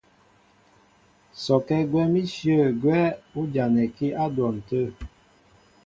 Sɔkɛ́ gwɛ̌n íshyə̂ gwɛ́ ú janɛkí á dwɔn tə̂.